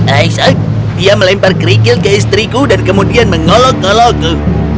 aisha dia melempar kerikil ke istriku dan kemudian mengolok ngolokku